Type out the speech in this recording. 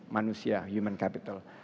manusia human capital